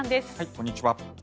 こんにちは。